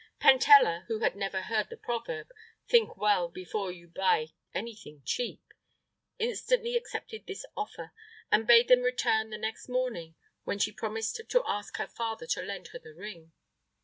Pentella, who had never heard the proverb, "Think well before you buy anything cheap," instantly accepted this offer, and bade them return the next morning, when she promised to ask her father to lend her the ring.